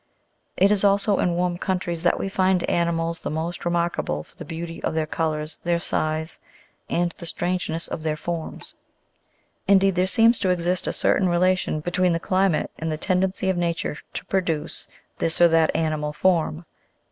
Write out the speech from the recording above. It is also in warm countries that we find animals the most remarkable for the beauty of their colours, their size, and the strangeness of their forms. Indeed there seems to exist a certain relation between the cli mate and the tendency of nature to produce this or that animal form.